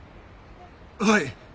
はい！